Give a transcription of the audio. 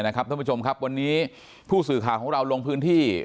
ท่านผู้ชมครับวันนี้ผู้สื่อข่าวของเราลงพื้นที่